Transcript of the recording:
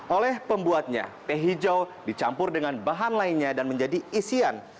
oleh pembuatnya teh hijau dicampur dengan bahan lainnya dan menjadi isian